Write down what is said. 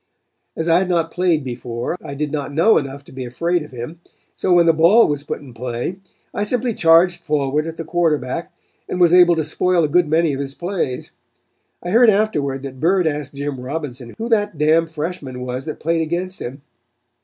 "As I had not played before, I did not know enough to be afraid of him, so when the ball was put in play I simply charged forward at the quarterback and was able to spoil a good many of his plays. I heard afterward that Bird asked Jim Robinson who that damn freshman was that played against him.